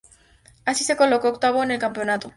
Así, se colocó octavo en el campeonato.